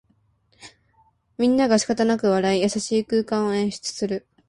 みんながしかたなく笑い、優しい空間を演出する